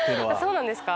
そうなんですか。